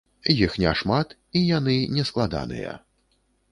Іх няшмат, і яны нескладаныя.